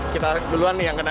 kita duluan yang kena